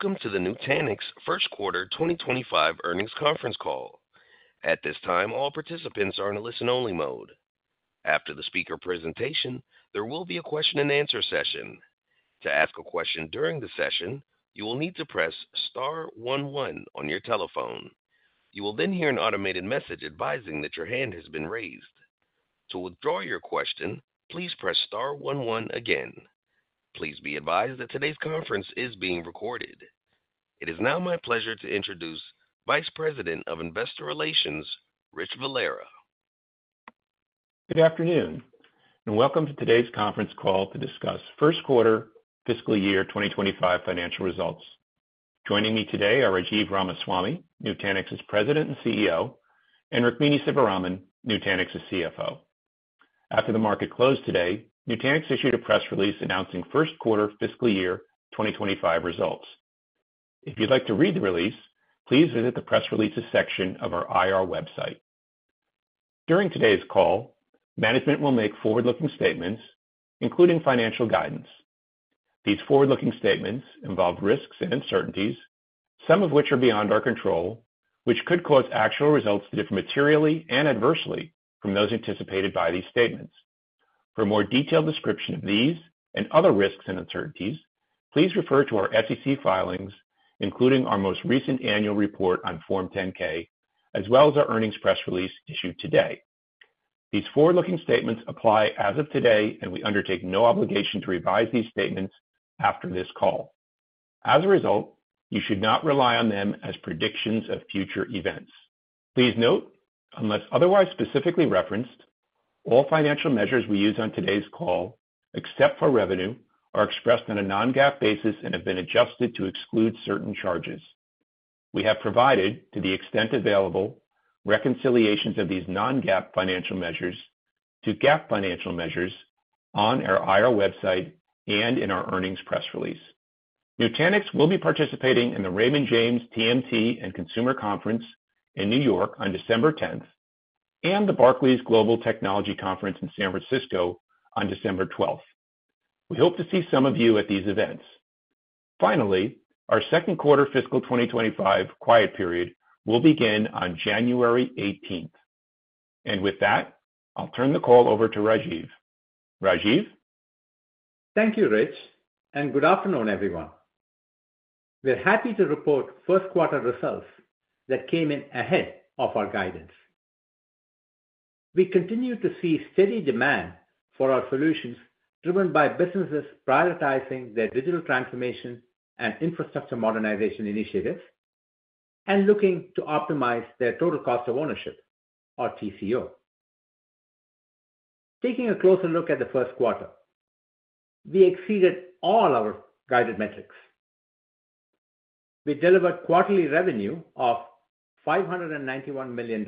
Welcome to the Nutanix First Quarter 2025 earnings conference call. At this time, all participants are in a listen-only mode. After the speaker presentation, there will be a question and answer session. To ask a question during the session, you will need to press star one one on your telephone. You will then hear an automated message advising that your hand has been raised. To withdraw your question, please press star one one again. Please be advised that today's conference is being recorded. It is now my pleasure to introduce Vice President of Investor Relations, Rich Valera. Good afternoon, and welcome to today's conference call to discuss First Quarter Fiscal Year 2025 financial results. Joining me today are Rajiv Ramaswami, Nutanix's President and CEO, and Rukmini Sivaraman, Nutanix's CFO. After the market closed today, Nutanix issued a press release announcing First Quarter Fiscal Year 2025 results. If you'd like to read the release, please visit the press releases section of our IR website. During today's call, management will make forward-looking statements, including financial guidance. These forward-looking statements involve risks and uncertainties, some of which are beyond our control, which could cause actual results to differ materially and adversely from those anticipated by these statements. For a more detailed description of these and other risks and uncertainties, please refer to our SEC filings, including our most recent annual report on Form 10-K, as well as our earnings press release issued today. These forward-looking statements apply as of today, and we undertake no obligation to revise these statements after this call. As a result, you should not rely on them as predictions of future events. Please note, unless otherwise specifically referenced, all financial measures we use on today's call, except for revenue, are expressed on a non-GAAP basis and have been adjusted to exclude certain charges. We have provided, to the extent available, reconciliations of these non-GAAP financial measures to GAAP financial measures on our IR website and in our earnings press release. Nutanix will be participating in the Raymond James TMT and Consumer Conference in New York on December 10 and the Barclays Global Technology Conference in San Francisco on December 12. We hope to see some of you at these events. Finally, our Second Quarter Fiscal 2025 quiet period will begin on January 18. With that, I'll turn the call over to Rajiv. Rajiv? Thank you, Rich, and good afternoon, everyone. We're happy to report first-quarter results that came in ahead of our guidance. We continue to see steady demand for our solutions driven by businesses prioritizing their digital transformation and infrastructure modernization initiatives and looking to optimize their total cost of ownership, or TCO. Taking a closer look at the first quarter, we exceeded all our guided metrics. We delivered quarterly revenue of $591 million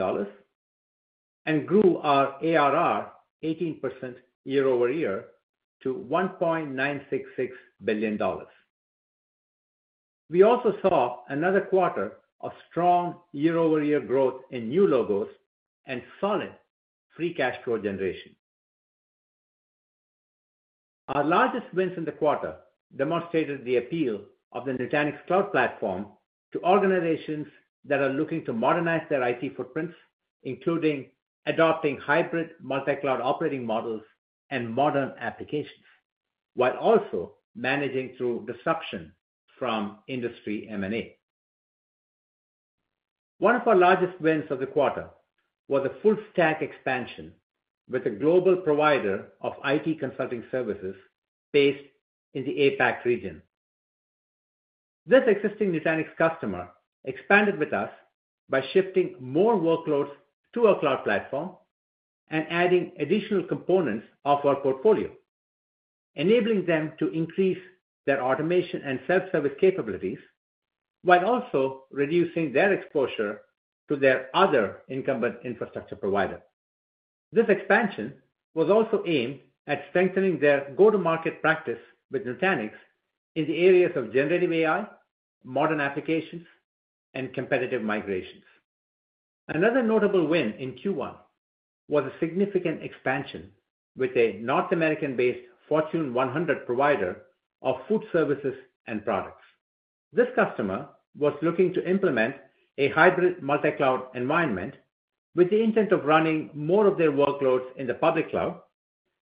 and grew our ARR 18% year-over-year to $1.966 billion. We also saw another quarter of strong year-over-year growth in new logos and solid free cash flow generation. Our largest wins in the quarter demonstrated the appeal of the Nutanix Cloud Platform to organizations that are looking to modernize their IT footprints, including adopting hybrid multi-cloud operating models and modern applications, while also managing through disruption from industry M&A. One of our largest wins of the quarter was a full-stack expansion with a global provider of IT consulting services based in the APAC region. This existing Nutanix customer expanded with us by shifting more workloads to our cloud platform and adding additional components of our portfolio, enabling them to increase their automation and self-service capabilities while also reducing their exposure to their other incumbent infrastructure provider. This expansion was also aimed at strengthening their go-to-market practice with Nutanix in the areas of generative AI, modern applications, and competitive migrations. Another notable win in Q1 was a significant expansion with a North American-based Fortune 100 provider of food services and products. This customer was looking to implement a hybrid multi-cloud environment with the intent of running more of their workloads in the public cloud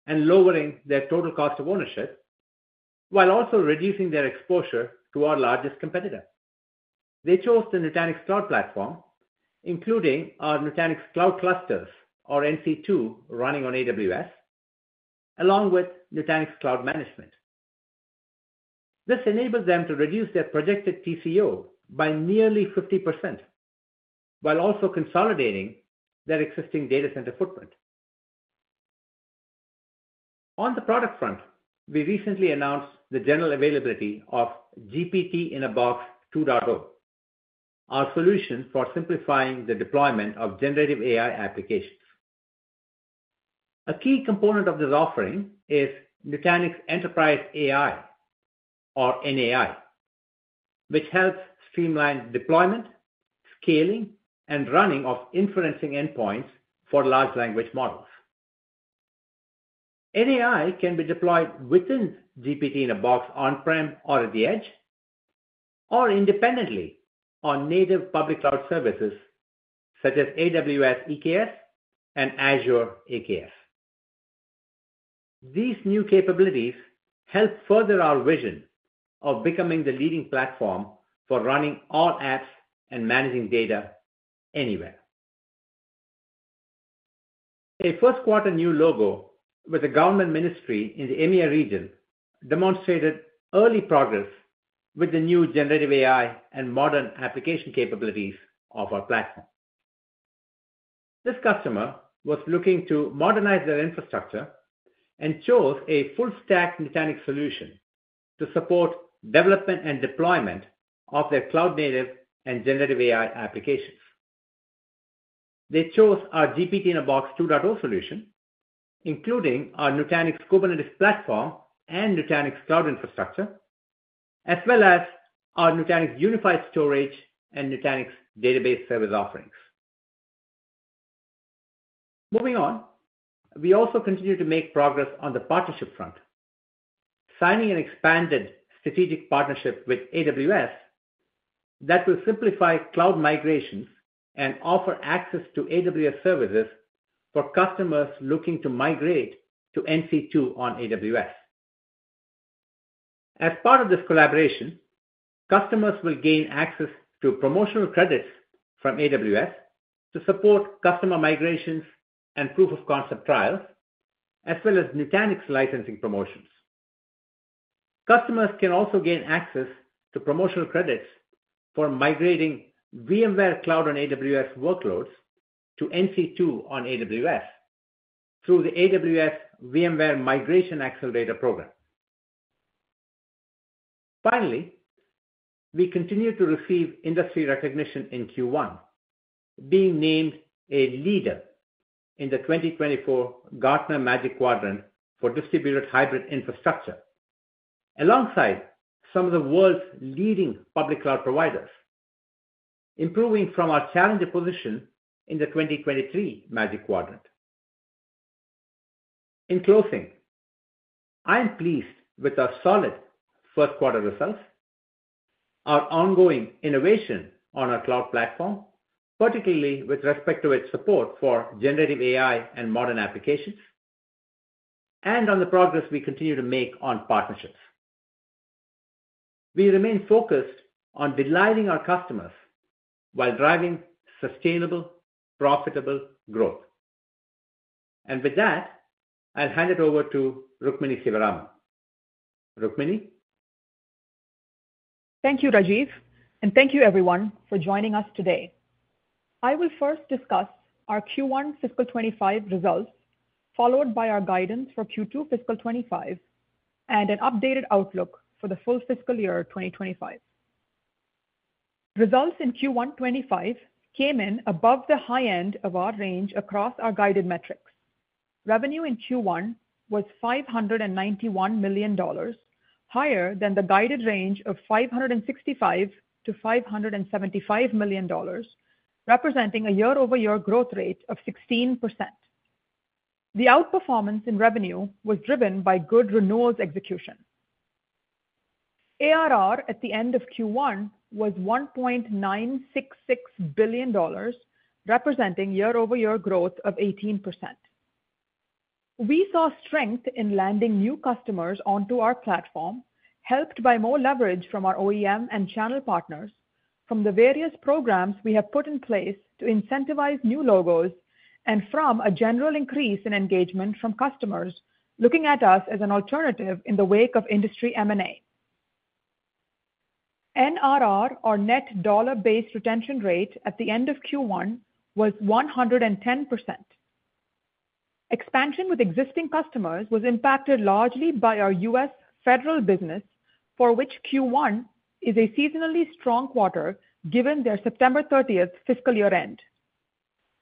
and lowering their total cost of ownership while also reducing their exposure to our largest competitor. They chose the Nutanix Cloud Platform, including our Nutanix Cloud Clusters, or NC2, running on AWS, along with Nutanix Cloud Management. This enabled them to reduce their projected TCO by nearly 50% while also consolidating their existing data center footprint. On the product front, we recently announced the general availability of GPT-in-a-Box 2.0, our solution for simplifying the deployment of generative AI applications. A key component of this offering is Nutanix Enterprise AI, or NAI, which helps streamline deployment, scaling, and running of inferencing endpoints for large language models. NAI can be deployed within GPT-in-a-Box on-prem or at the edge, or independently on native public cloud services such as AWS EKS and Azure AKS. These new capabilities help further our vision of becoming the leading platform for running all apps and managing data anywhere. A first-quarter new logo with a government ministry in the EMEA region demonstrated early progress with the new generative AI and modern application capabilities of our platform. This customer was looking to modernize their infrastructure and chose a full-stack Nutanix solution to support development and deployment of their cloud-native and generative AI applications. They chose our GPT-in-a-Box 2.0 solution, including our Nutanix Kubernetes Platform and Nutanix Cloud Infrastructure, as well as our Nutanix Unified Storage and Nutanix Database Service offerings. Moving on, we also continue to make progress on the partnership front, signing an expanded strategic partnership with AWS that will simplify cloud migrations and offer access to AWS services for customers looking to migrate to NC2 on AWS. As part of this collaboration, customers will gain access to promotional credits from AWS to support customer migrations and proof-of-concept trials, as well as Nutanix licensing promotions. Customers can also gain access to promotional credits for migrating VMware Cloud on AWS workloads to NC2 on AWS through the AWS VMware Migration Accelerator program. Finally, we continue to receive industry recognition in Q1, being named a leader in the 2024 Gartner Magic Quadrant for Distributed Hybrid Infrastructure alongside some of the world's leading public cloud providers, improving from our challenger position in the 2023 Magic Quadrant. In closing, I am pleased with our solid first-quarter results, our ongoing innovation on our cloud platform, particularly with respect to its support for generative AI and modern applications, and on the progress we continue to make on partnerships. We remain focused on delighting our customers while driving sustainable, profitable growth. And with that, I'll hand it over to Rukmini Sivaraman. Rukmini? Thank you, Rajiv, and thank you, everyone, for joining us today. I will first discuss our Q1 Fiscal 2025 results, followed by our guidance for Q2 Fiscal 2025 and an updated outlook for the full fiscal year 2025. Results in Q1 2025 came in above the high end of our range across our guided metrics. Revenue in Q1 was $591 million, higher than the guided range of $565-$575 million, representing a year-over-year growth rate of 16%. The outperformance in revenue was driven by good renewals execution. ARR at the end of Q1 was $1.966 billion, representing year-over-year growth of 18%. We saw strength in landing new customers onto our platform, helped by more leverage from our OEM and channel partners, from the various programs we have put in place to incentivize new logos, and from a general increase in engagement from customers looking at us as an alternative in the wake of industry M&A. NRR, or net dollar-based retention rate, at the end of Q1 was 110%. Expansion with existing customers was impacted largely by our U.S. federal business, for which Q1 is a seasonally strong quarter given their September 30 fiscal year end.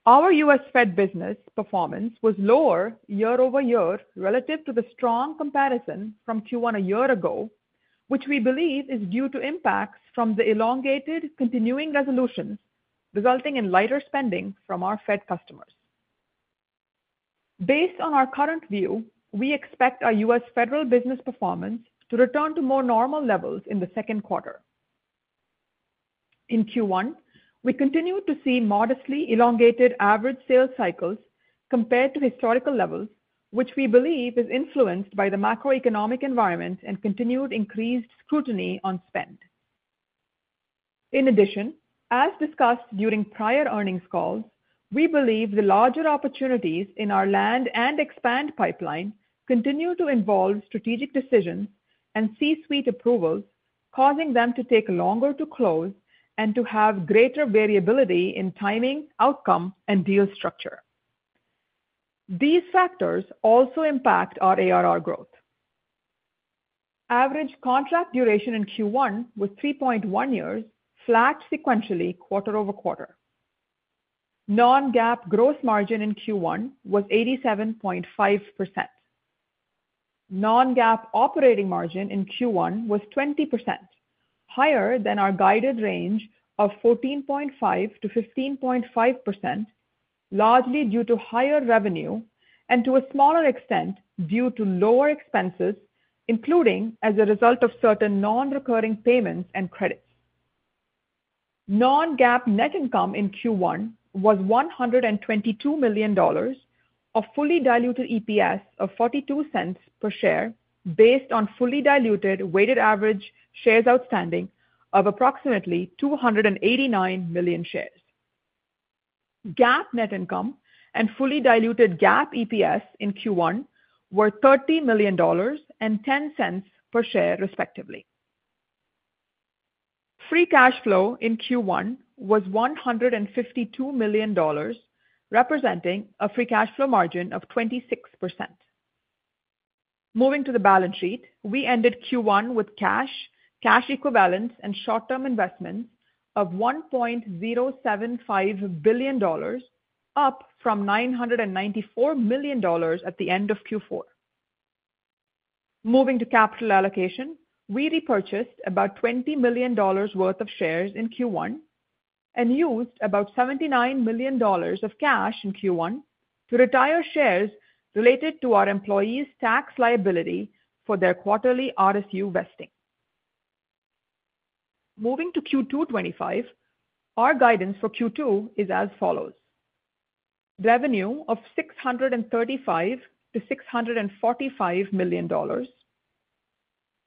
Our U.S. Fed business performance was lower year-over-year relative to the strong comparison from Q1 a year ago, which we believe is due to impacts from the elongated continuing resolutions resulting in lighter spending from our Fed customers. Based on our current view, we expect our U.S. federal business performance to return to more normal levels in the second quarter. In Q1, we continue to see modestly elongated average sales cycles compared to historical levels, which we believe is influenced by the macroeconomic environment and continued increased scrutiny on spend. In addition, as discussed during prior earnings calls, we believe the larger opportunities in our land and expand pipeline continue to involve strategic decisions and C-suite approvals, causing them to take longer to close and to have greater variability in timing, outcome, and deal structure. These factors also impact our ARR growth. Average contract duration in Q1 was 3.1 years, flat sequentially quarter-over-quarter. Non-GAAP gross margin in Q1 was 87.5%. Non-GAAP operating margin in Q1 was 20%, higher than our guided range of 14.5% to 15.5%, largely due to higher revenue and to a smaller extent due to lower expenses, including as a result of certain non-recurring payments and credits. Non-GAAP net income in Q1 was $122 million, a fully diluted EPS of $0.42 per share based on fully diluted weighted average shares outstanding of approximately 289 million shares. GAAP net income and fully diluted GAAP EPS in Q1 were $30 million and $0.10 per share, respectively. Free cash flow in Q1 was $152 million, representing a free cash flow margin of 26%. Moving to the balance sheet, we ended Q1 with cash, cash equivalents, and short-term investments of $1.075 billion, up from $994 million at the end of Q4. Moving to capital allocation, we repurchased about $20 million worth of shares in Q1 and used about $79 million of cash in Q1 to retire shares related to our employees' tax liability for their quarterly RSU vesting. Moving to Q2 2025, our guidance for Q2 is as follows: revenue of $635 to $645 million,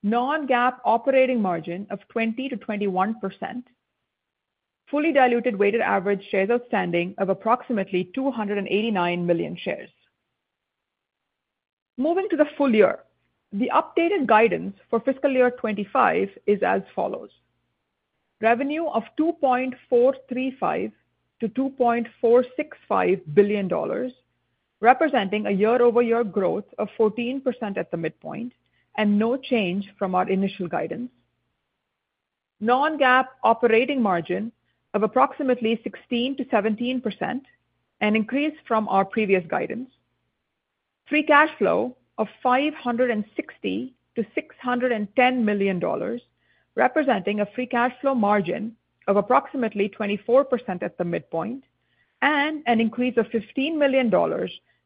non-GAAP operating margin of 20% to 21%, fully diluted weighted average shares outstanding of approximately 289 million shares. Moving to the full year, the updated guidance for fiscal year 2025 is as follows: revenue of $2.435 to $2.465 billion, representing a year-over-year growth of 14% at the midpoint and no change from our initial guidance. Non-GAAP operating margin of approximately 16% to 17%, an increase from our previous guidance. Free cash flow of $560 to $610 million, representing a free cash flow margin of approximately 24% at the midpoint, and an increase of $15 million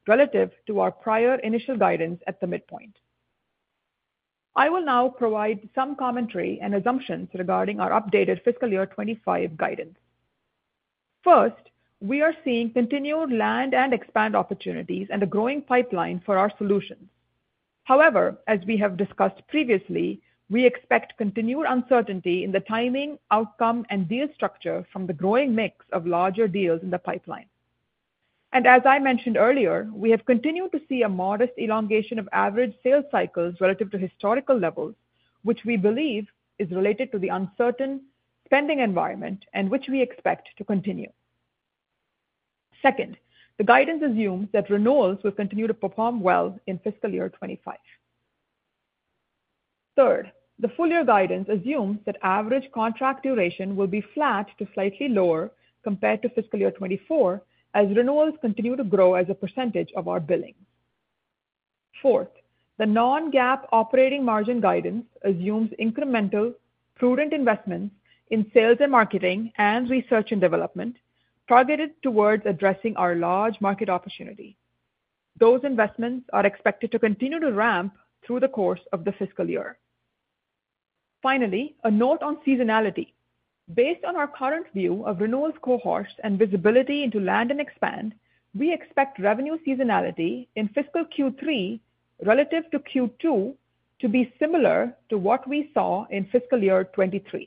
relative to our prior initial guidance at the midpoint. I will now provide some commentary and assumptions regarding our updated fiscal year 2025 guidance. First, we are seeing continued land and expand opportunities and a growing pipeline for our solutions. However, as we have discussed previously, we expect continued uncertainty in the timing, outcome, and deal structure from the growing mix of larger deals in the pipeline. As I mentioned earlier, we have continued to see a modest elongation of average sales cycles relative to historical levels, which we believe is related to the uncertain spending environment and which we expect to continue. Second, the guidance assumes that renewals will continue to perform well in fiscal year 2025. Third, the full year guidance assumes that average contract duration will be flat to slightly lower compared to fiscal year 2024 as renewals continue to grow as a percentage of our billings. Fourth, the non-GAAP operating margin guidance assumes incremental prudent investments in sales and marketing and research and development targeted towards addressing our large market opportunity. Those investments are expected to continue to ramp through the course of the fiscal year. Finally, a note on seasonality. Based on our current view of renewals cohorts and visibility into land and expand, we expect revenue seasonality in fiscal Q3 relative to Q2 to be similar to what we saw in fiscal year 2023.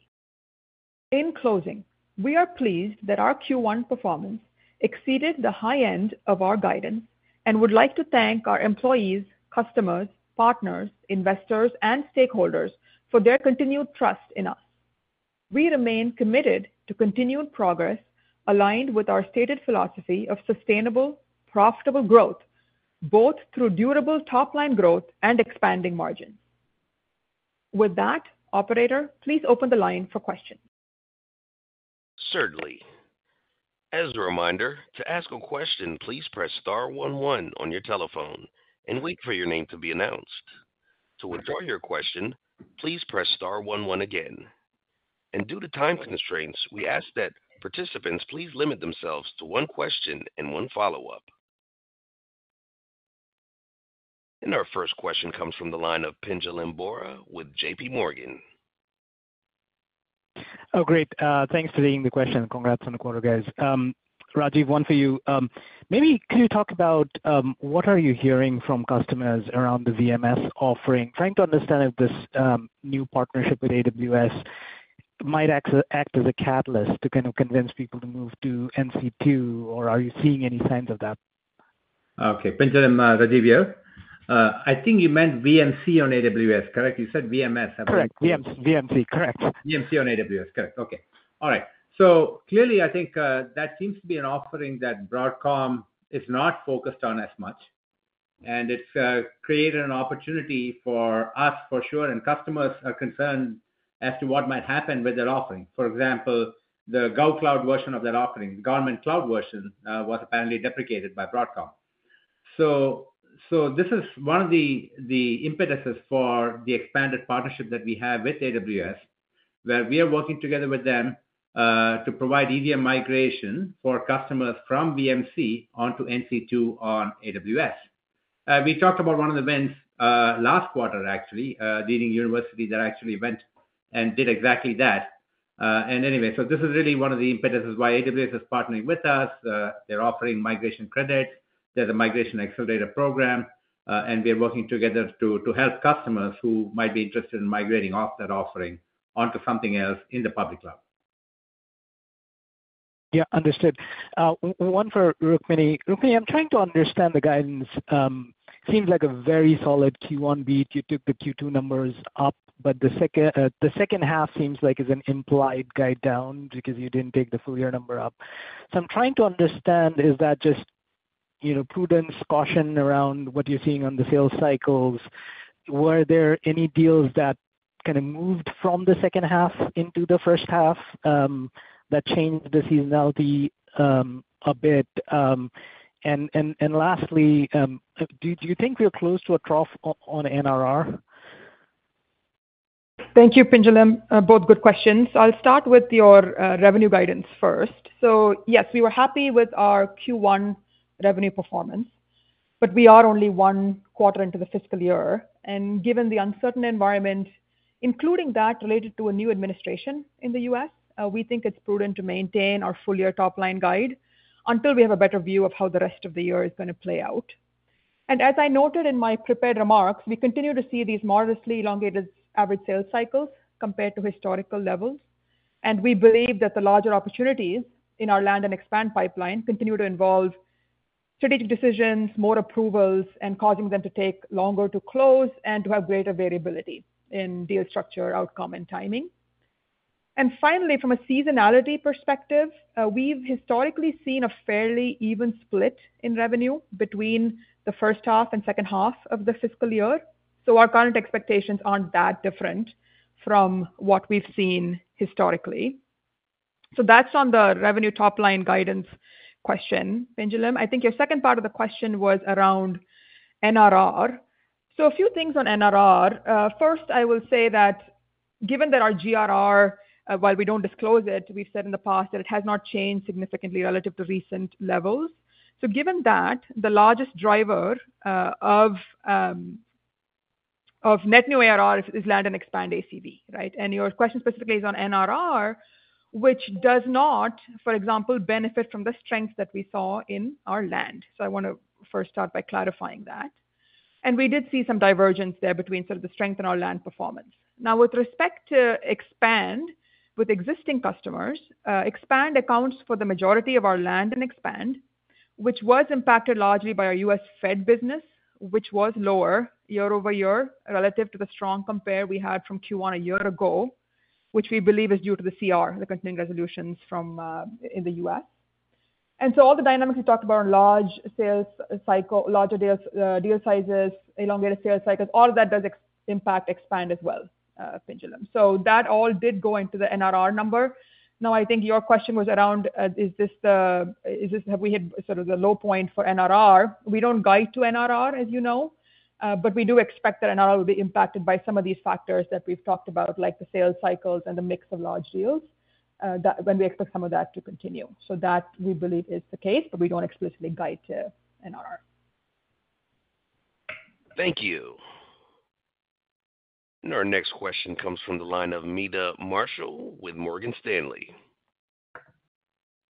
In closing, we are pleased that our Q1 performance exceeded the high end of our guidance and would like to thank our employees, customers, partners, investors, and stakeholders for their continued trust in us. We remain committed to continued progress aligned with our stated philosophy of sustainable, profitable growth, both through durable top-line growth and expanding margins. With that, Operator, please open the line for questions. Certainly. As a reminder, to ask a question, please press star one one on your telephone and wait for your name to be announced. To withdraw your question, please press star one one again. And due to time constraints, we ask that participants please limit themselves to one question and one follow-up. And our first question comes from the line of Pinjalim Bora with JPMorgan. Oh, great. Thanks for taking the question. Congrats on the quarter, guys. Rajiv, one for you. Maybe could you talk about what are you hearing from customers around the VMware offering, trying to understand if this new partnership with AWS might act as a catalyst to kind of convince people to move to NC2, or are you seeing any signs of that? Okay. Pinjalim Bora is here. I think you meant VMC on AWS, correct? You said VMS. Correct. VMC. Correct. VMC on AWS. Correct. Okay. All right. So clearly, I think that seems to be an offering that Broadcom is not focused on as much. And it's created an opportunity for us, for sure, and customers are concerned as to what might happen with their offering. For example, the GovCloud version of that offering, the government cloud version, was apparently deprecated by Broadcom. So this is one of the impetuses for the expanded partnership that we have with AWS, where we are working together with them to provide VM migration for customers from VMC onto NC2 on AWS. We talked about one of the events last quarter, actually, leading universities that actually went and did exactly that. And anyway, so this is really one of the impetuses why AWS is partnering with us. They're offering migration credits. There's a migration accelerator program. We are working together to help customers who might be interested in migrating off that offering onto something else in the public cloud. Yeah. Understood. One for Rukmini. Rukmini, I'm trying to understand the guidance. It seems like a very solid Q1 beat. You took the Q2 numbers up, but the second half seems like it's an implied guide down because you didn't take the full year number up. So I'm trying to understand, is that just prudence, caution around what you're seeing on the sales cycles? Were there any deals that kind of moved from the second half into the first half that changed the seasonality a bit? And lastly, do you think we're close to a trough on NRR? Thank you, Pinjalim Bora, and both good questions. I'll start with your revenue guidance first. So yes, we were happy with our Q1 revenue performance, but we are only one quarter into the fiscal year. And given the uncertain environment, including that related to a new administration in the U.S., we think it's prudent to maintain our full year top-line guide until we have a better view of how the rest of the year is going to play out. And as I noted in my prepared remarks, we continue to see these modestly elongated average sales cycles compared to historical levels. And we believe that the larger opportunities in our land and expand pipeline continue to involve strategic decisions, more approvals, and causing them to take longer to close and to have greater variability in deal structure, outcome, and timing. And finally, from a seasonality perspective, we've historically seen a fairly even split in revenue between the first half and second half of the fiscal year. So our current expectations aren't that different from what we've seen historically. So that's on the revenue top-line guidance question, Pinjalim Bora? I think your second part of the question was around NRR. So a few things on NRR. First, I will say that given that our GRR, while we don't disclose it, we've said in the past that it has not changed significantly relative to recent levels. So given that, the largest driver of net new ARR is land and expand ACV, right? And your question specifically is on NRR, which does not, for example, benefit from the strength that we saw in our land. So I want to first start by clarifying that. We did see some divergence there between sort of the strength and our land performance. Now, with respect to expand with existing customers, expand accounts for the majority of our land and expand, which was impacted largely by our US Fed business, which was lower year-over-year relative to the strong compare we had from Q1 a year ago, which we believe is due to the CR, the continuing resolutions from in the US. All the dynamics we talked about on large sales cycle, larger deal sizes, elongated sales cycles, all of that does impact expand as well, Pinjalim Bora. So that all did go into the NRR number. Now, I think your question was around, is this the have we hit sort of the low point for NRR? We don't guide to NRR, as you know, but we do expect that NRR will be impacted by some of these factors that we've talked about, like the sales cycles and the mix of large deals, that when we expect some of that to continue. So that we believe is the case, but we don't explicitly guide to NRR. Thank you. And our next question comes from the line of Meta Marshall with Morgan Stanley.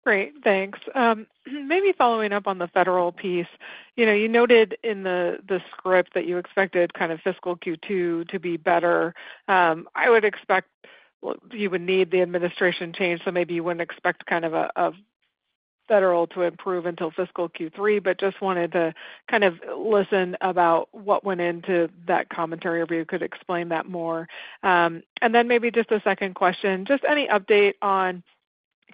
Great. Thanks. Maybe following up on the federal piece, you noted in the script that you expected kind of fiscal Q2 to be better. I would expect you would need the administration change, so maybe you wouldn't expect kind of a federal to improve until fiscal Q3, but just wanted to kind of listen about what went into that commentary or if you could explain that more. And then maybe just a second question, just any update on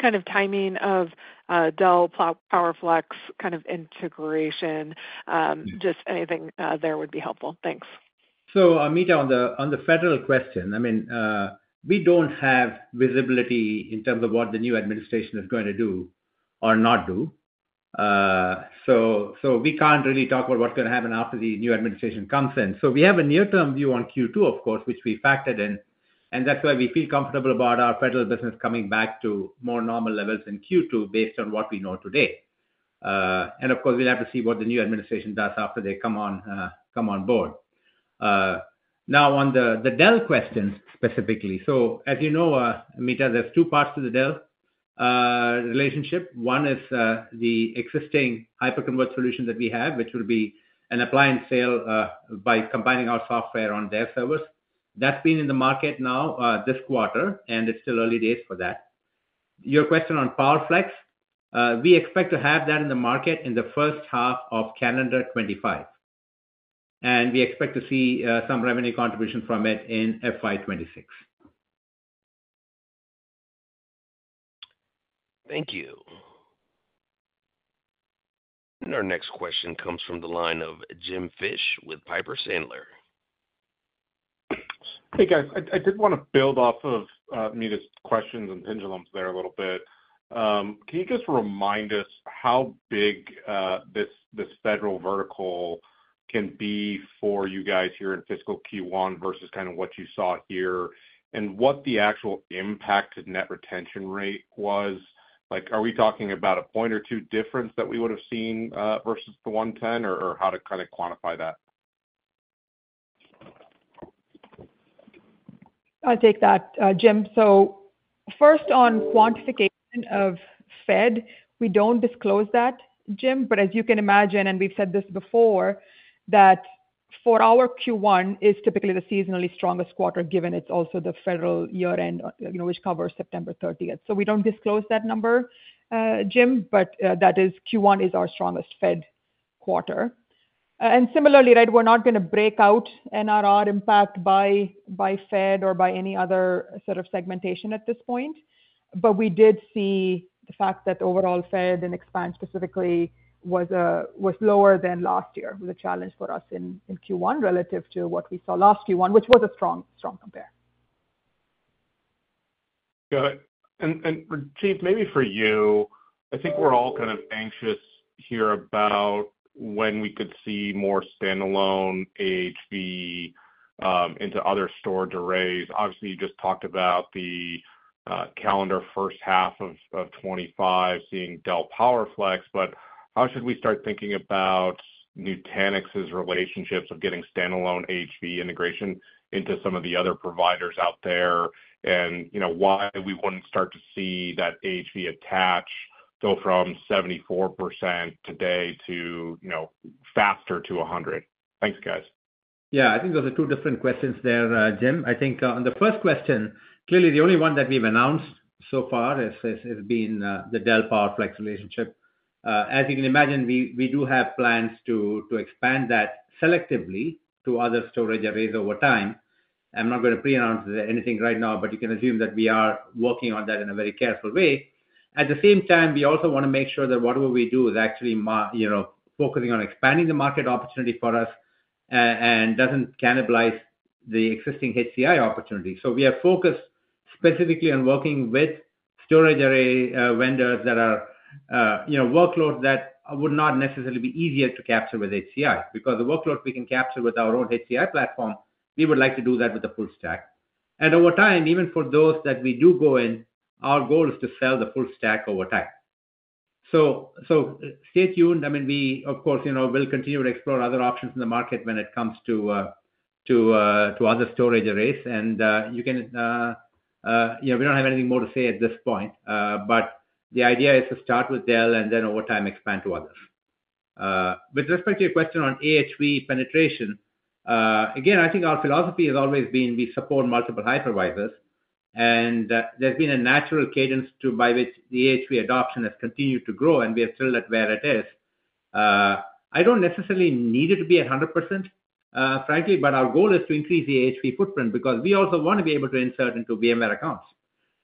kind of timing of Dell PowerFlex kind of integration, just anything there would be helpful. Thanks. So on the federal question, I mean, we don't have visibility in terms of what the new administration is going to do or not do. So we can't really talk about what's going to happen after the new administration comes in. So we have a near-term view on Q2, of course, which we factored in. And that's why we feel comfortable about our federal business coming back to more normal levels in Q2 based on what we know today. And of course, we'll have to see what the new administration does after they come on board. Now, on the Dell questions specifically, so as you know, Meta, there's two parts to the Dell relationship. One is the existing hyperconverged solution that we have, which will be an appliance sale by combining our software on their servers. That's been in the market now this quarter, and it's still early days for that. Your question on PowerFlex, we expect to have that in the market in the first half of calendar 2025, and we expect to see some revenue contribution from it in FY 2026. Thank you. And our next question comes from the line of James Fish with Piper Sandler. Hey, guys. I did want to build off of Meta's questions and Pinjalim Bora's there a little bit. Can you just remind us how big this federal vertical can be for you guys here in fiscal Q1 versus kind of what you saw here and what the actual impact to net retention rate was? Are we talking about a point or two difference that we would have seen versus the 110% or how to kind of quantify that? I'll take that, James. So first, on quantification of Fed, we don't disclose that, James. But as you can imagine, and we've said this before, that for our Q1 is typically the seasonally strongest quarter given it's also the federal year-end, which covers September 30th. So we don't disclose that number, James. But that is Q1 is our strongest Fed quarter. And similarly, right, we're not going to break out NRR impact by Fed or by any other sort of segmentation at this point. But we did see the fact that overall Fed and expansion specifically was lower than last year was a challenge for us in Q1 relative to what we saw last Q1, which was a strong comp. Got it. And Chief, maybe for you, I think we're all kind of anxious here about when we could see more standalone AHV into other storage arrays. Obviously, you just talked about the calendar first half of 2025 seeing Dell PowerFlex. But how should we start thinking about Nutanix's relationships of getting standalone AHV integration into some of the other providers out there and why we wouldn't start to see that AHV attach go from 74% today to faster to 100%? Thanks, guys. Yeah. I think those are two different questions there, James. I think on the first question, clearly, the only one that we've announced so far has been the Dell PowerFlex relationship. As you can imagine, we do have plans to expand that selectively to other storage arrays over time. I'm not going to pre-announce anything right now, but you can assume that we are working on that in a very careful way. At the same time, we also want to make sure that whatever we do is actually focusing on expanding the market opportunity for us and doesn't cannibalize the existing HCI opportunity. So we are focused specifically on working with storage array vendors that are workloads that would not necessarily be easier to capture with HCI because the workload we can capture with our own HCI platform, we would like to do that with the full stack. And over time, even for those that we do go in, our goal is to sell the full stack over time. So stay tuned. I mean, we, of course, will continue to explore other options in the market when it comes to other storage arrays. And you know we don't have anything more to say at this point. But the idea is to start with Dell and then over time expand to others. With respect to your question on AHV penetration, again, I think our philosophy has always been we support multiple hypervisors. And there's been a natural cadence by which the AHV adoption has continued to grow, and we are still at where it is. I don't necessarily need it to be at 100%, frankly, but our goal is to increase the AHV footprint because we also want to be able to insert into VMware accounts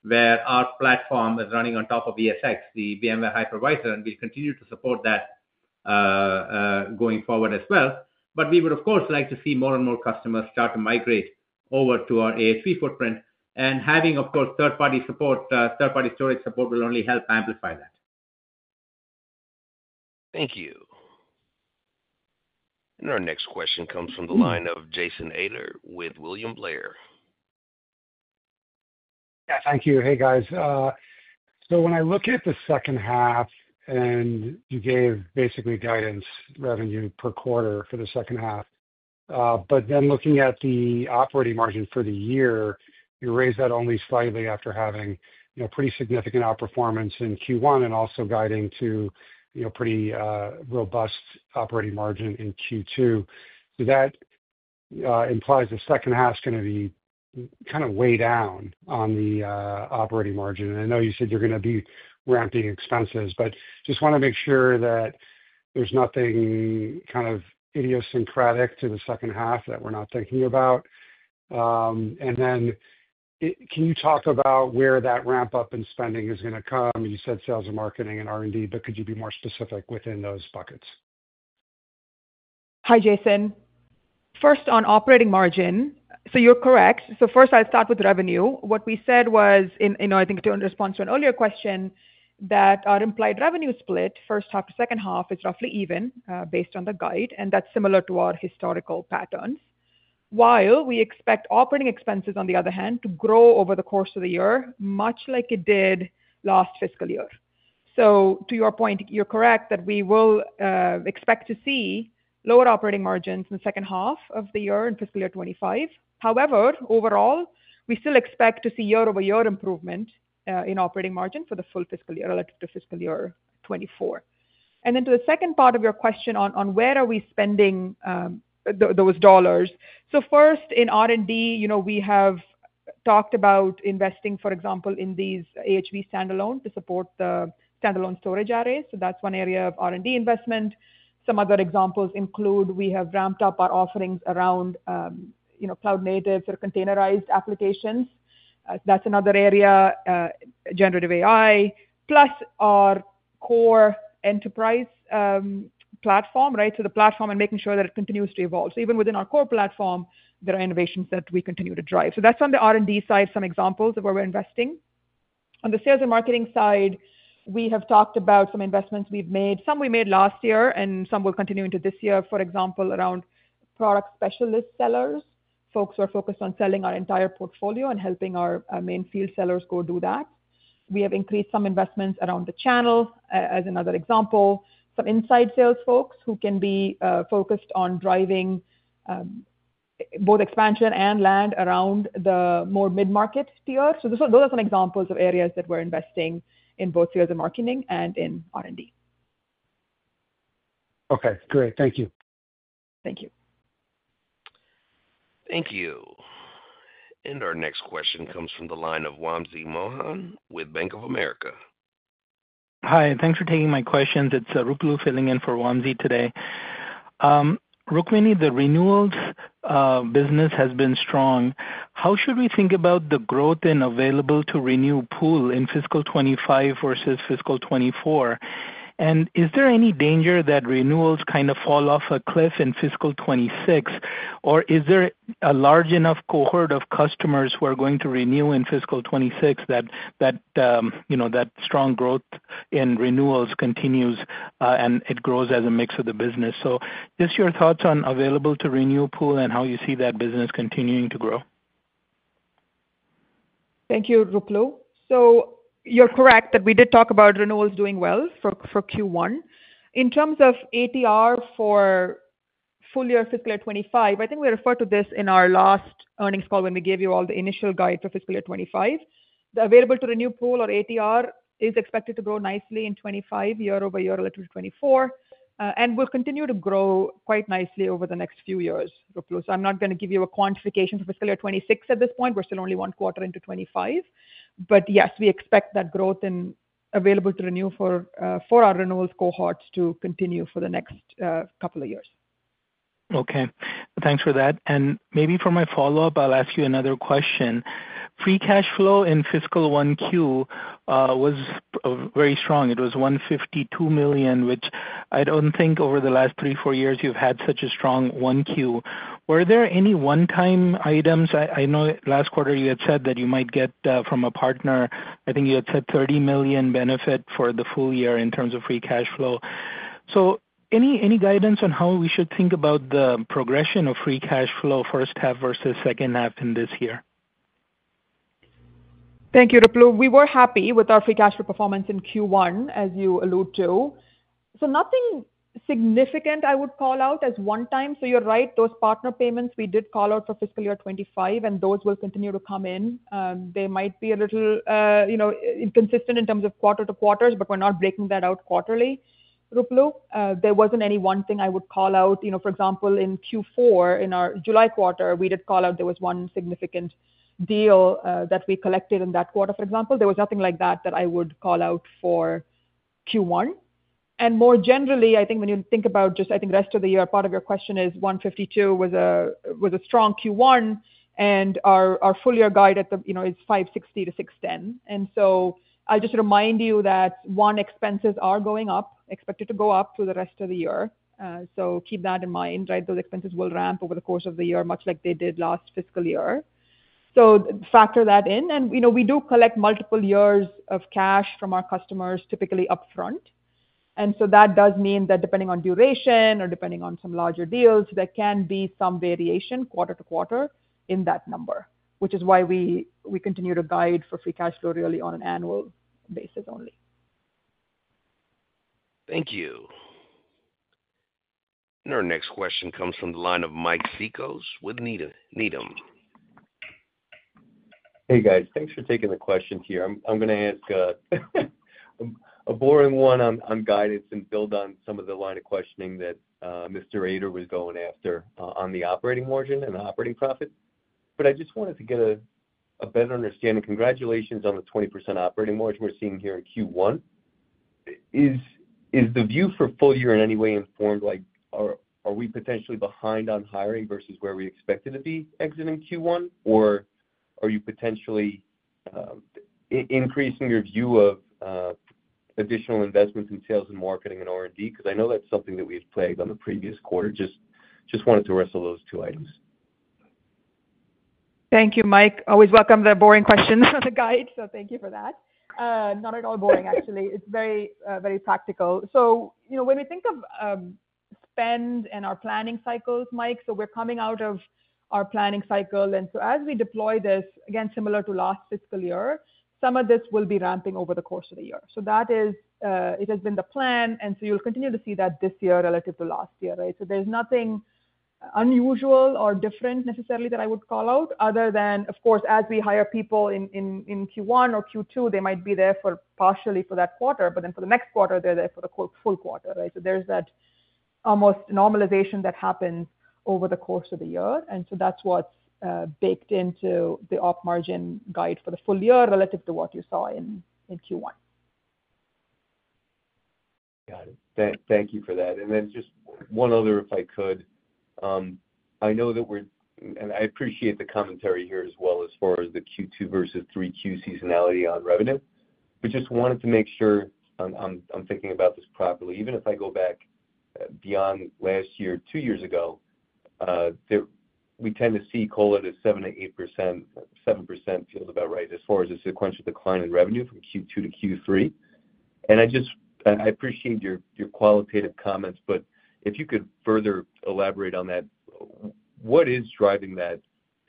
where our platform is running on top of ESX, the VMware hypervisor. And we'll continue to support that going forward as well. But we would, of course, like to see more and more customers start to migrate over to our AHV footprint. And having, of course, third-party support, third-party storage support will only help amplify that. Thank you. And our next question comes from the line of Jason Ader with William Blair. Yeah. Thank you. Hey, guys. So when I look at the second half, and you gave basically guidance revenue per quarter for the second half. But then looking at the operating margin for the year, you raised that only slightly after having pretty significant outperformance in Q1 and also guiding to pretty robust operating margin in Q2. So that implies the second half is going to be kind of way down on the operating margin. And I know you said you're going to be ramping expenses, but just want to make sure that there's nothing kind of idiosyncratic to the second half that we're not thinking about. And then can you talk about where that ramp-up in spending is going to come? You said sales and marketing and R&D, but could you be more specific within those buckets? Hi, Jason. First, on operating margin, so you're correct. So first, I'll start with revenue. What we said was, I think to respond to an earlier question, that our implied revenue split first half to second half is roughly even based on the guide, and that's similar to our historical patterns. While we expect operating expenses, on the other hand, to grow over the course of the year, much like it did last fiscal year. So to your point, you're correct that we will expect to see lower operating margins in the second half of the year in fiscal year 2025. However, overall, we still expect to see year-over-year improvement in operating margin for the full fiscal year relative to fiscal year 2024. And then, to the second part of your question on where we are spending those dollars. So first, in R&D, we have talked about investing, for example, in these AHV standalone to support the standalone storage arrays. So that's one area of R&D investment. Some other examples include we have ramped up our offerings around cloud-native or containerized applications. That's another area, generative AI, plus our core enterprise platform, right? So the platform and making sure that it continues to evolve. So even within our core platform, there are innovations that we continue to drive. So that's on the R&D side, some examples of where we're investing. On the sales and marketing side, we have talked about some investments we've made, some we made last year, and some will continue into this year, for example, around product specialist sellers, folks who are focused on selling our entire portfolio and helping our main field sellers go do that. We have increased some investments around the channel, as another example, some inside sales folks who can be focused on driving both expansion and land around the more mid-market tier. So those are some examples of areas that we're investing in both sales and marketing and in R&D. Okay. Great. Thank you. Thank you. Thank you. And our next question comes from the line of Wamsi Mohan with Bank of America. Hi. Thanks for taking my questions. It's Ruplu filling in for Wamsi today. Rukmini, the renewals business has been strong. How should we think about the available-to-renew pool in fiscal 2025 versus fiscal 2024? And is there any danger that renewals kind of fall off a cliff in fiscal 2026, or is there a large enough cohort of customers who are going to renew in fiscal 2026 that that strong growth in renewals continues and it grows as a mix of the business? So just your available-to-renew pool and how you see that business continuing to grow. Thank you, Ruplu. So you're correct that we did talk about renewals doing well for Q1. In terms of ATR for full year fiscal year 2025, I think we referred to this in our last earnings call when we gave you all the initial guide for fiscal year available-to-renew pool or ATR is expected to grow nicely in 2025 year-over-year relative to 2024, and will continue to grow quite nicely over the next few years, Ruplu. So I'm not going to give you a quantification for fiscal year 2026 at this point. We're still only one quarter into 2025. But yes, we expect that growth in available-to-renew for our renewals cohorts to continue for the next couple of years. Okay. Thanks for that. And maybe for my follow-up, I'll ask you another question. Free cash flow in fiscal 1Q was very strong. It was $152 million, which I don't think over the last three, four years you've had such a strong one Q. Were there any one-time items? I know last quarter you had said that you might get from a partner, I think you had said $30 million benefit for the full year in terms of free cash flow. So any guidance on how we should think about the progression of free cash flow first half versus second half in this year? Thank you, Ruplu. We were happy with our free cash flow performance in Q1, as you alluded to. So nothing significant I would call out as one-time. So you're right, those partner payments we did call out for fiscal year 2025, and those will continue to come in. They might be a little inconsistent in terms of quarter to quarters, but we're not breaking that out quarterly, Ruplu. There wasn't any one thing I would call out. For example, in Q4 in our July quarter, we did call out there was one significant deal that we collected in that quarter, for example. There was nothing like that that I would call out for Q1. And more generally, I think when you think about just, I think, rest of the year, part of your question is 152 was a strong Q1, and our full year guide is 560 to 610. And so I'll just remind you that our expenses are going up, expected to go up through the rest of the year. So keep that in mind, right? Those expenses will ramp over the course of the year, much like they did last fiscal year. So factor that in. And we do collect multiple years of cash from our customers, typically upfront. And so that does mean that depending on duration or depending on some larger deals, there can be some variation quarter to quarter in that number, which is why we continue to guide for free cash flow really on an annual basis only. Thank you. Our next question comes from the line of Mike Cikos with Needham. Hey, guys. Thanks for taking the questions here. I'm going to ask a boring one on guidance and build on some of the line of questioning that Mr. Ader was going after on the operating margin and the operating profit. But I just wanted to get a better understanding. Congratulations on the 20% operating margin we're seeing here in Q1. Is the view for full year in any way informed? Are we potentially behind on hiring versus where we expected to be exiting Q1? Or are you potentially increasing your view of additional investments in sales and marketing and R&D? Because I know that's something that we've plagued on the previous quarter. Just wanted to wrestle those two items. Thank you, Mike. I always welcome the boring questions on the guide. So thank you for that. Not at all boring, actually. It's very, very practical. So when we think of spend and our planning cycles, Mike, we're coming out of our planning cycle. And as we deploy this, again, similar to last fiscal year, some of this will be ramping over the course of the year. So that is, it has been the plan, and you'll continue to see that this year relative to last year, right? So there's nothing unusual or different necessarily that I would call out other than, of course, as we hire people in Q1 or Q2, they might be there partially for that quarter, but then for the next quarter, they're there for the full quarter, right? So there's that almost normalization that happens over the course of the year. That's what's baked into the operating margin guide for the full year relative to what you saw in Q1. Got it. Thank you for that. And then just one other, if I could. I know that we're, and I appreciate the commentary here as well as far as the Q2 versus 3Q seasonality on revenue. But just wanted to make sure I'm thinking about this properly. Even if I go back beyond last year, two years ago, we tend to see closer to 7% to 8%. 7% feels about right as far as a sequential decline in revenue from Q2 to Q3. And I appreciate your qualitative comments, but if you could further elaborate on that, what is driving that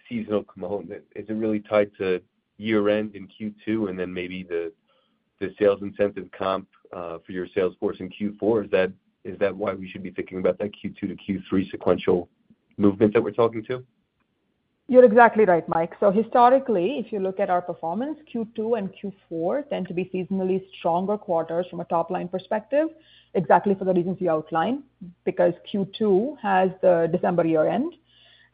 seasonal component? Is it really tied to year-end in Q2 and then maybe the sales incentive comp for your salesforce in Q4? Is that why we should be thinking about that Q2 to Q3 sequential movement that we're talking to? You're exactly right, Mike. So historically, if you look at our performance, Q2 and Q4 tend to be seasonally stronger quarters from a top-line perspective, exactly for the reasons you outlined, because Q2 has the December year-end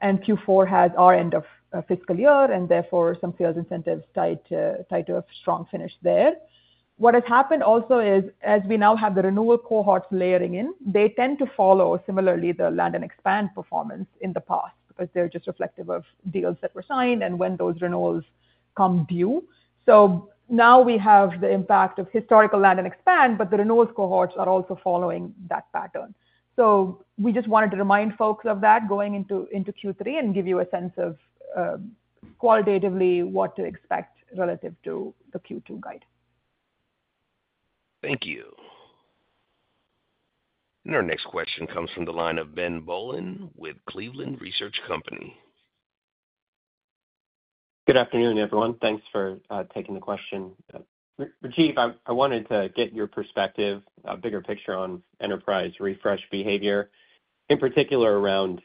and Q4 has our end of fiscal year, and therefore some sales incentives tied to a strong finish there. What has happened also is, as we now have the renewal cohorts layering in, they tend to follow similarly the land and expand performance in the past because they're just reflective of deals that were signed and when those renewals come due. So now we have the impact of historical land and expand, but the renewals cohorts are also following that pattern. So we just wanted to remind folks of that going into Q3 and give you a sense of qualitatively what to expect relative to the Q2 guide. Thank you. And our next question comes from the line of Ben Bollin with Cleveland Research Company. Good afternoon, everyone. Thanks for taking the question. Rajiv, I wanted to get your perspective, a bigger picture on enterprise refresh behavior, in particular around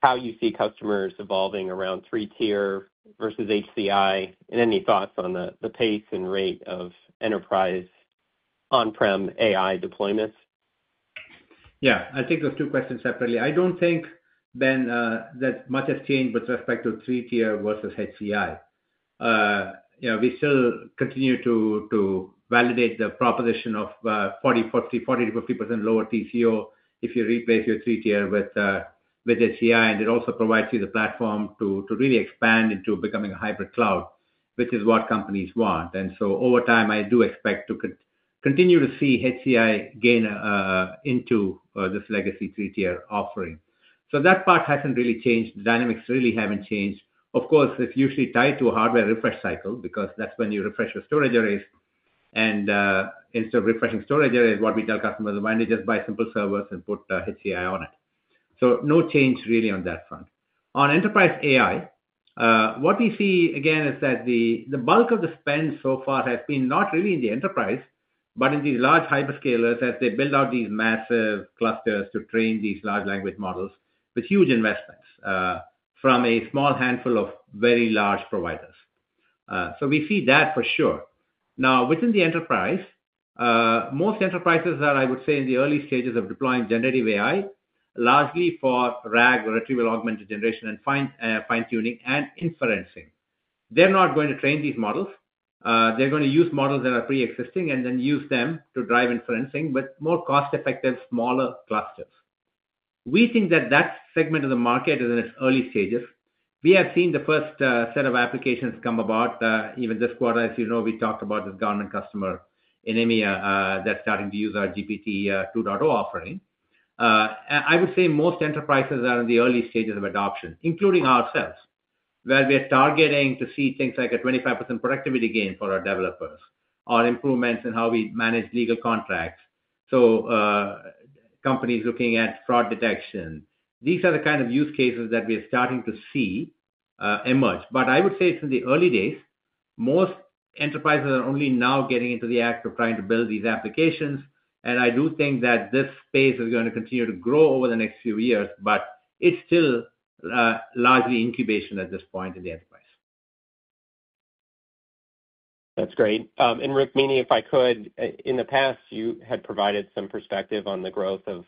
how you see customers evolving around three-tier versus HCI, and any thoughts on the pace and rate of enterprise on-prem AI deployments. Yeah. I think those two questions separately. I don't think, Ben, that much has changed with respect to three-tier versus HCI. We still continue to validate the proposition of 40% to 50% lower TCO if you replace your three-tier with HCI, and it also provides you the platform to really expand into becoming a hybrid cloud, which is what companies want. And so over time, I do expect to continue to see HCI gain into this legacy three-tier offering. So that part hasn't really changed. The dynamics really haven't changed. Of course, it's usually tied to a hardware refresh cycle because that's when you refresh your storage arrays. And instead of refreshing storage arrays, what we tell customers is, "Why don't you just buy simple servers and put HCI on it?" So no change really on that front. On enterprise AI, what we see, again, is that the bulk of the spend so far has been not really in the enterprise, but in these large hyperscalers as they build out these massive clusters to train these large language models with huge investments from a small handful of very large providers. So we see that for sure. Now, within the enterprise, most enterprises are, I would say, in the early stages of deploying generative AI, largely for RAG or retrieval-augmented generation and fine-tuning and inferencing. They're not going to train these models. They're going to use models that are pre-existing and then use them to drive inferencing with more cost-effective, smaller clusters. We think that that segment of the market is in its early stages. We have seen the first set of applications come about even this quarter. As you know, we talked about this government customer, in EMEA, that's starting to use our GPT 2.0 offering. I would say most enterprises are in the early stages of adoption, including ourselves, where we are targeting to see things like a 25% productivity gain for our developers or improvements in how we manage legal contracts. So companies looking at fraud detection. These are the kind of use cases that we are starting to see emerge. But I would say it's in the early days. Most enterprises are only now getting into the act of trying to build these applications. And I do think that this space is going to continue to grow over the next few years, but it's still largely incubation at this point in the enterprise. That's great. And Rukmini, if I could, in the past, you had provided some perspective on the growth of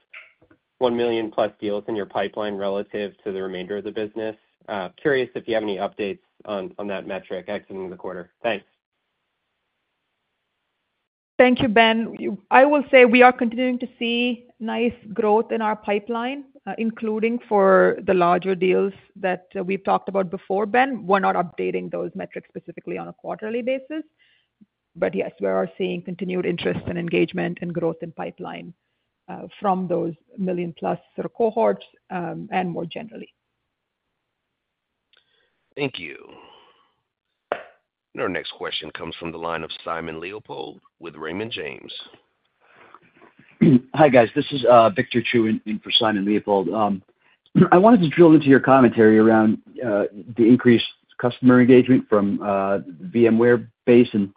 1 million-plus deals in your pipeline relative to the remainder of the business. Curious if you have any updates on that metric exiting the quarter? Thanks. Thank you, Ben. I will say we are continuing to see nice growth in our pipeline, including for the larger deals that we've talked about before. Ben, we're not updating those metrics specifically on a quarterly basis. But yes, we are seeing continued interest and engagement and growth in pipeline from those million-plus cohorts and more generally. Thank you. Our next question comes from the line of Simon Leopold with Raymond James. Hi, guys. This is Victor Chiu in for Simon Leopold. I wanted to drill into your commentary around the increased customer engagement from the VMware base and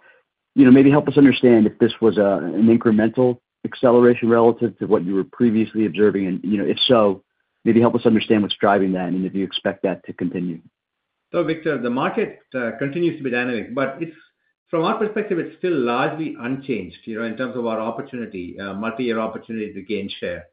maybe help us understand if this was an incremental acceleration relative to what you were previously observing. And if so, maybe help us understand what's driving that and if you expect that to continue. So, Victor, the market continues to be dynamic, but from our perspective, it's still largely unchanged in terms of our opportunity, multi-year opportunity to gain share.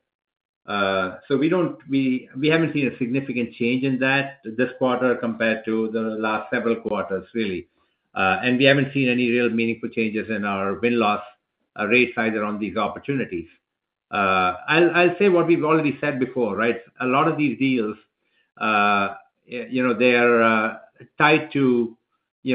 So we haven't seen a significant change in that this quarter compared to the last several quarters, really. And we haven't seen any real meaningful changes in our win-loss rate size around these opportunities. I'll say what we've already said before, right? A lot of these deals, they are tied to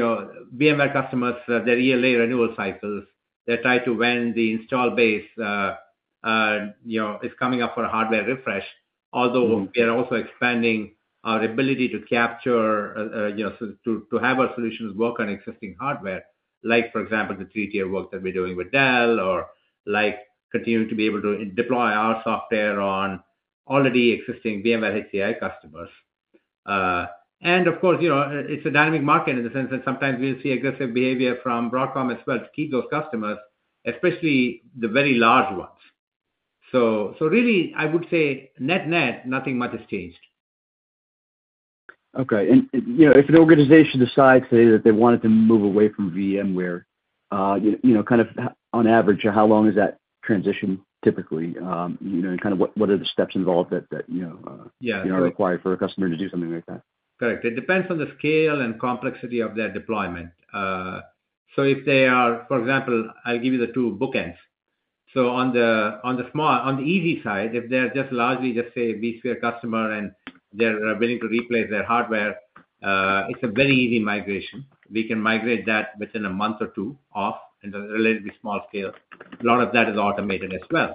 VMware customers, their ELA renewal cycles. They're tied to when the installed base is coming up for a hardware refresh, although we are also expanding our ability to capture to have our solutions work on existing hardware, like, for example, the three-tier work that we're doing with Dell or like continuing to be able to deploy our software on already existing VMware HCI customers. Of course, it's a dynamic market in the sense that sometimes we'll see aggressive behavior from Broadcom as well to keep those customers, especially the very large ones. Really, I would say net-net, nothing much has changed. Okay, and if an organization decides, say, that they wanted to move away from VMware, kind of on average, how long is that transition typically, and kind of what are the steps involved that are required for a customer to do something like that? Correct. It depends on the scale and complexity of their deployment. If they are, for example, I'll give you the two bookends. On the easy side, if they're just largely just a vSphere customer and they're willing to replace their hardware, it's a very easy migration. We can migrate that within a month or two off and on a relatively small scale. A lot of that is automated as well.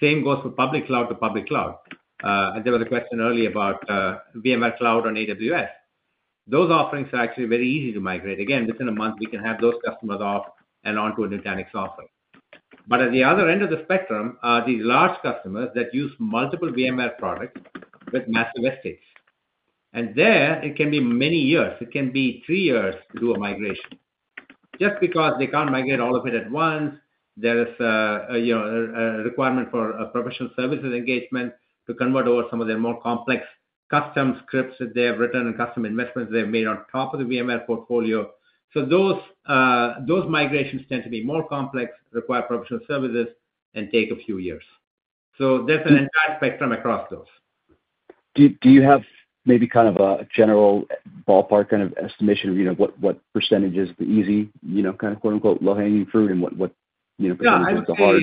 Same goes for public cloud to public cloud. There was a question earlier about VMware Cloud on AWS. Those offerings are actually very easy to migrate. Again, within a month, we can have those customers off and onto a Nutanix offering. At the other end of the spectrum, these large customers that use multiple VMware products with massive estates. There, it can be many years. It can be three years to do a migration. Just because they can't migrate all of it at once, there is a requirement for professional services engagement to convert over some of their more complex custom scripts that they have written and custom investments they have made on top of the VMware portfolio. So those migrations tend to be more complex, require professional services, and take a few years. So there's an entire spectrum across those. Do you have maybe kind of a general ballpark kind of estimation of what percentage is the easy kind of "low-hanging fruit" and what percentage is the hard?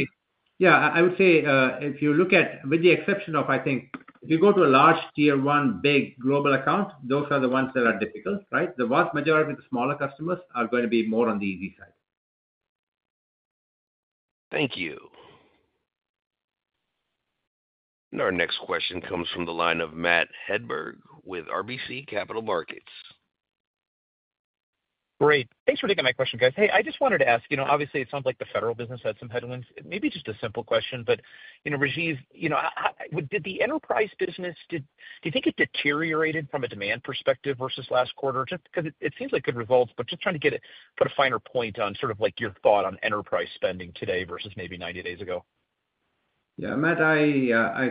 Yeah. I would say if you look at, with the exception of, I think, if you go to a large tier-one big global account, those are the ones that are difficult, right? The vast majority of the smaller customers are going to be more on the easy side. Thank you. And our next question comes from the line of Matt Hedberg with RBC Capital Markets. Great. Thanks for taking my question, guys. Hey, I just wanted to ask, obviously, it sounds like the federal business had some headwinds. Maybe just a simple question, but Rajiv, did the enterprise business, do you think it deteriorated from a demand perspective versus last quarter? Just because it seems like good results, but just trying to get a finer point on sort of your thought on enterprise spending today versus maybe 90 days ago. Yeah. Matt,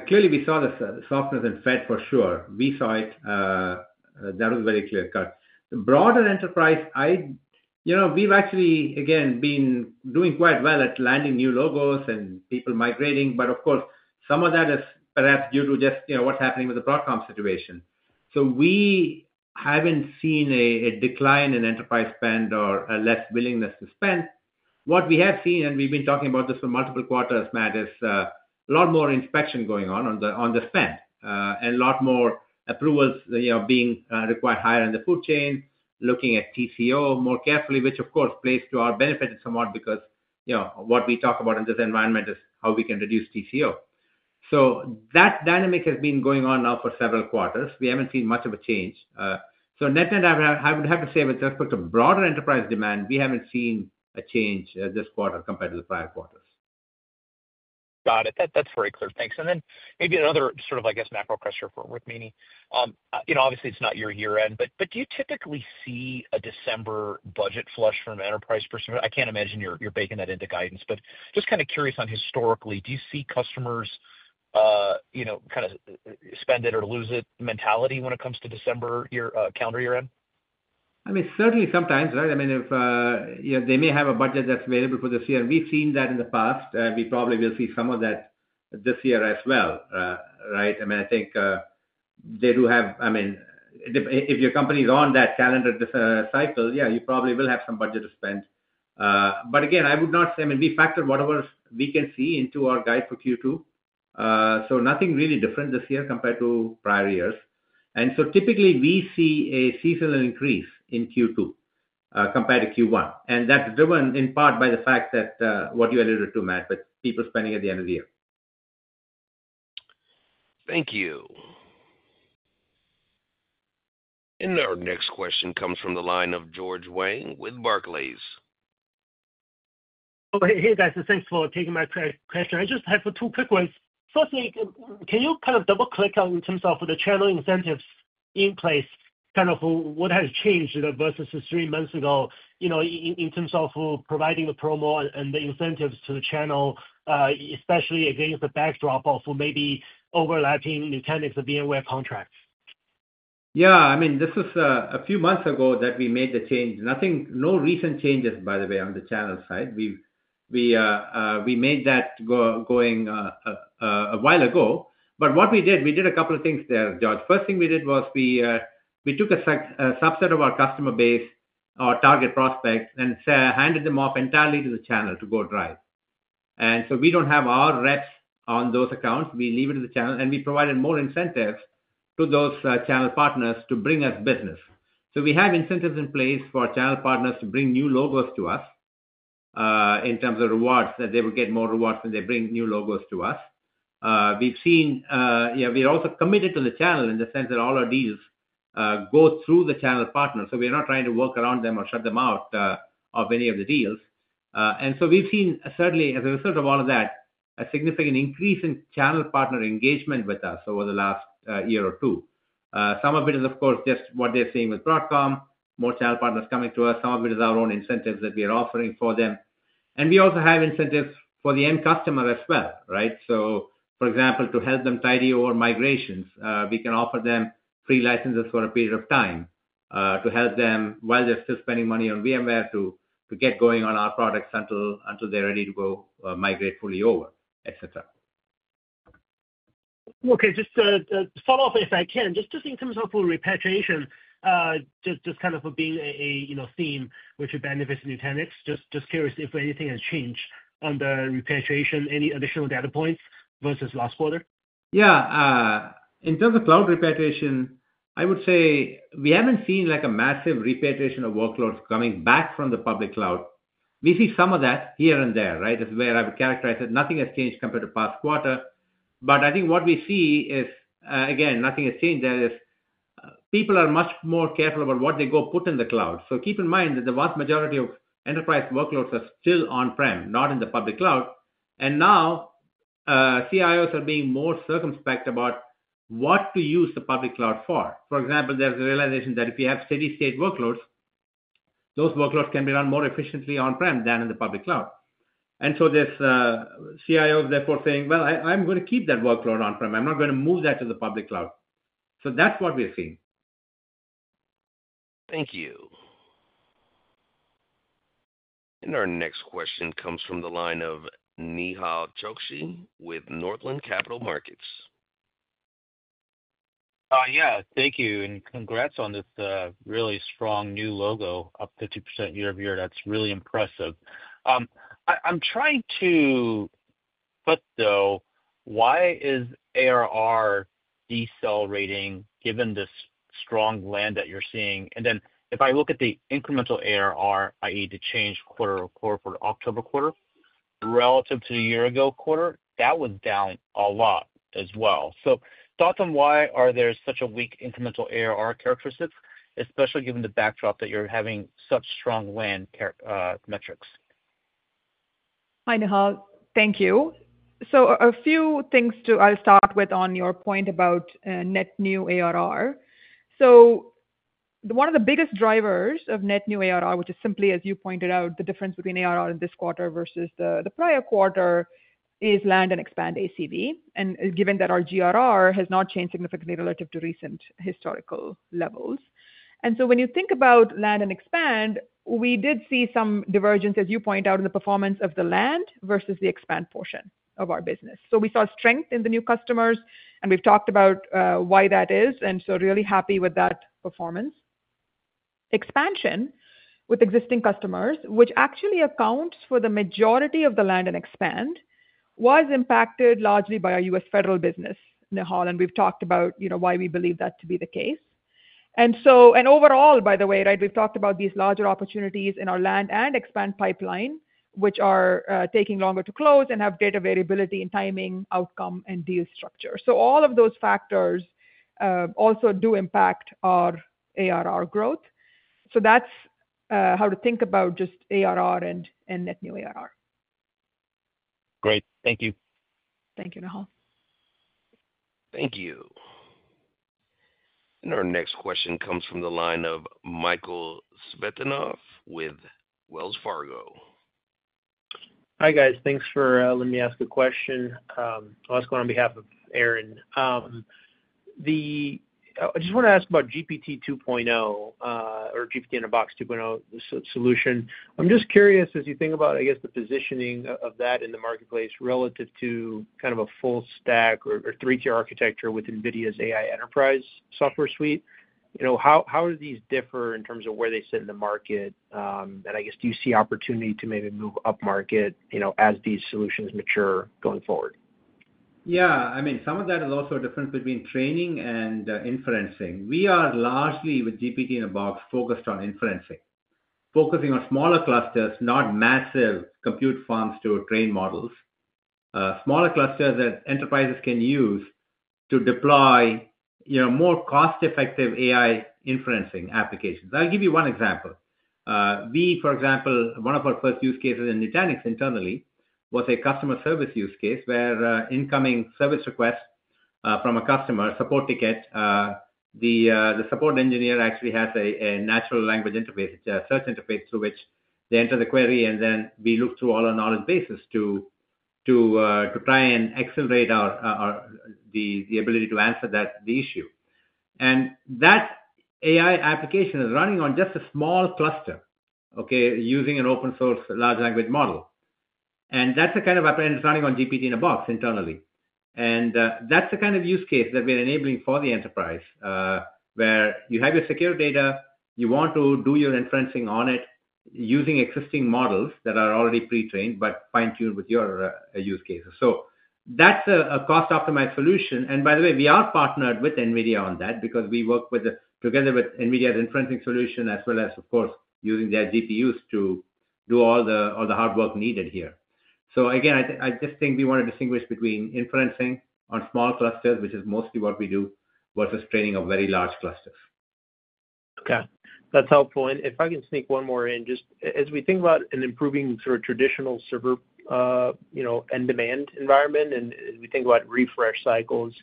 clearly, we saw the softness and Fed for sure. We saw it. That was very clear-cut. The broader enterprise, we've actually, again, been doing quite well at landing new logos and people migrating, but of course, some of that is perhaps due to just what's happening with the Broadcom situation. So we haven't seen a decline in enterprise spend or a less willingness to spend. What we have seen, and we've been talking about this for multiple quarters, Matt, is a lot more inspection going on on the spend and a lot more approvals being required higher in the food chain, looking at TCO more carefully, which, of course, plays to our benefit somewhat because what we talk about in this environment is how we can reduce TCO. So that dynamic has been going on now for several quarters. We haven't seen much of a change. So net-net, I would have to say, with respect to broader enterprise demand, we haven't seen a change this quarter compared to the prior quarters. Got it. That's very clear. Thanks. And then maybe another sort of, I guess, macro question for Rukmini. Obviously, it's not your year-end, but do you typically see a December budget flush from enterprise percentage? I can't imagine you're baking that into guidance, but just kind of curious, historically, do you see customers kind of spend it or lose it mentality when it comes to December calendar year-end? I mean, certainly sometimes, right? I mean, they may have a budget that's available for this year. We've seen that in the past. We probably will see some of that this year as well, right? I mean, I think they do have—I mean, if your company is on that calendar cycle, yeah, you probably will have some budget to spend. But again, I would not say—I mean, we factor whatever we can see into our guide for Q2. So nothing really different this year compared to prior years. And so typically, we see a seasonal increase in Q2 compared to Q1. And that's driven in part by the fact that what you alluded to, Matt, with people spending at the end of the year. Thank you. And our next question comes from the line of George Wang with Barclays. Hey, guys. Thanks for taking my question. I just had two quick ones. Firstly, can you kind of double-click in terms of the channel incentives in place, kind of what has changed versus three months ago in terms of providing the promo and the incentives to the channel, especially against the backdrop of maybe overlapping Nutanix and VMware contracts? Yeah. I mean, this is a few months ago that we made the change. No recent changes, by the way, on the channel side. We made that change a while ago. But what we did, we did a couple of things there, George. First thing we did was we took a subset of our customer base, our target prospects, and handed them off entirely to the channel to go drive. And so we don't have our reps on those accounts. We leave it to the channel. And we provided more incentives to those channel partners to bring us business. So we have incentives in place for channel partners to bring new logos to us in terms of rewards, that they will get more rewards when they bring new logos to us. We've seen, yeah, we're also committed to the channel in the sense that all our deals go through the channel partners. So we're not trying to work around them or shut them out of any of the deals. And so we've seen, certainly, as a result of all of that, a significant increase in channel partner engagement with us over the last year or two. Some of it is, of course, just what they're seeing with Broadcom, more channel partners coming to us. Some of it is our own incentives that we are offering for them. And we also have incentives for the end customer as well, right? For example, to help them tide over migrations, we can offer them free licenses for a period of time to help them while they're still spending money on VMware to get going on our products until they're ready to go migrate fully over, etc. Okay. Just to start off, if I can, just in terms of repatriation, just kind of being a theme which benefits Nutanix, just curious if anything has changed on the repatriation, any additional data points versus last quarter? Yeah. In terms of cloud repatriation, I would say we haven't seen a massive repatriation of workloads coming back from the public cloud. We see some of that here and there, right? It's where I would characterize it. Nothing has changed compared to past quarter. But I think what we see is, again, nothing has changed. There, people are much more careful about what they go put in the cloud. So keep in mind that the vast majority of enterprise workloads are still on-prem, not in the public cloud. And now CIOs are being more circumspect about what to use the public cloud for. For example, there's a realization that if you have stateful workloads, those workloads can be run more efficiently on-prem than in the public cloud. And so CIOs therefore saying, "Well, I'm going to keep that workload on-prem. I'm not going to move that to the public cloud," so that's what we're seeing. Thank you, and our next question comes from the line of Nehal Chokshi with Northland Capital Markets. Yeah. Thank you. And congrats on this really strong new logo, up 50% year-over-year. That's really impressive. I'm trying to put, though, why is ARR decelerating given this strong land that you're seeing? And then if I look at the incremental ARR, i.e., the change quarter-over-quarter for October quarter relative to the year-ago quarter, that was down a lot as well. So thoughts on why are there such a weak incremental ARR characteristics, especially given the backdrop that you're having such strong land metrics? Hi, Nehal. Thank you. So a few things. I'll start with on your point about net-new ARR. So one of the biggest drivers of net-new ARR, which is simply, as you pointed out, the difference between ARR in this quarter versus the prior quarter, is land and expand ACV, given that our GRR has not changed significantly relative to recent historical levels. And so when you think about land and expand, we did see some divergence, as you point out, in the performance of the land versus the expand portion of our business. So we saw strength in the new customers, and we've talked about why that is. And so really happy with that performance. Expansion with existing customers, which actually accounts for the majority of the land and expand, was impacted largely by our U.S. federal business, Nehal. And we've talked about why we believe that to be the case. And overall, by the way, right, we've talked about these larger opportunities in our land and expand pipeline, which are taking longer to close and have data variability in timing, outcome, and deal structure. So all of those factors also do impact our ARR growth. So that's how to think about just ARR and net-new ARR. Great. Thank you. Thank you, Nehal. Thank you. And our next question comes from the line of Michael Turrin with Wells Fargo. Hi, guys. Thanks for letting me ask a question. I'll ask one on behalf of Aaron. I just want to ask about GPT-in-a-Box 2.0 solution. I'm just curious, as you think about, I guess, the positioning of that in the marketplace relative to kind of a full-stack or three-tier architecture with NVIDIA AI Enterprise software suite, how do these differ in terms of where they sit in the market? And I guess, do you see opportunity to maybe move upmarket as these solutions mature going forward? Yeah. I mean, some of that is also a difference between training and inferencing. We are largely, with GPT-in-a-Box, focused on inferencing, focusing on smaller clusters, not massive compute farms to train models, smaller clusters that enterprises can use to deploy more cost-effective AI inferencing applications. I'll give you one example. We, for example, one of our first use cases in Nutanix internally was a customer service use case where incoming service requests from a customer, support ticket, the support engineer actually has a natural language interface, a search interface through which they enter the query, and then we look through all our knowledge bases to try and accelerate the ability to answer the issue. That AI application is running on just a small cluster, okay, using an open-source large language model. That's the kind of app running on GPT-in-a-Box internally. That's the kind of use case that we're enabling for the enterprise where you have your secure data, you want to do your inferencing on it using existing models that are already pre-trained but fine-tuned with your use cases. That's a cost-optimized solution. By the way, we are partnered with NVIDIA on that because we work together with NVIDIA's inferencing solution as well as, of course, using their GPUs to do all the hard work needed here. Again, I just think we want to distinguish between inferencing on small clusters, which is mostly what we do, versus training of very large clusters. Okay. That's helpful. And if I can sneak one more in, just as we think about an improving sort of traditional server end demand environment and we think about refresh cycles,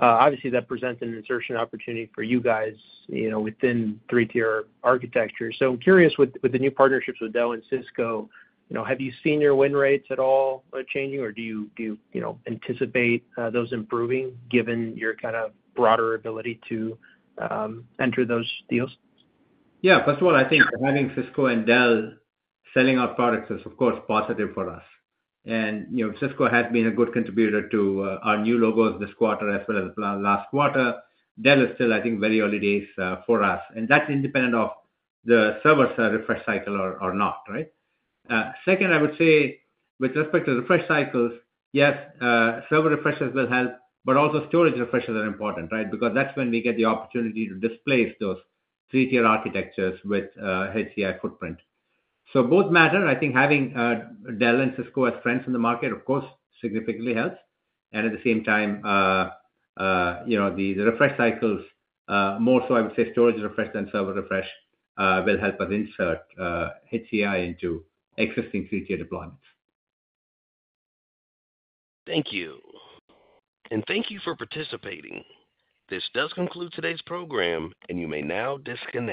obviously, that presents an insertion opportunity for you guys within three-tier architecture. So I'm curious, with the new partnerships with Dell and Cisco, have you seen your win rates at all changing, or do you anticipate those improving given your kind of broader ability to enter those deals? Yeah. First of all, I think having Cisco and Dell selling our products is, of course, positive for us. And Cisco has been a good contributor to our new logos this quarter as well as last quarter. Dell is still, I think, very early days for us. And that's independent of the server refresh cycle or not, right? Second, I would say, with respect to refresh cycles, yes, server refreshes will help, but also storage refreshes are important, right? Because that's when we get the opportunity to displace those three-tier architectures with HCI footprint. So both matter. I think having Dell and Cisco as friends in the market, of course, significantly helps. And at the same time, the refresh cycles, more so, I would say, storage refresh than server refresh will help us insert HCI into existing three-tier deployments. Thank you. And thank you for participating. This does conclude today's program, and you may now disconnect.